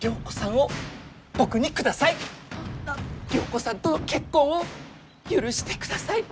良子さんとの結婚を許してください！